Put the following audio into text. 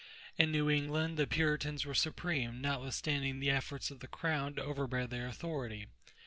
In New England the Puritans were supreme, notwithstanding the efforts of the crown to overbear their authority.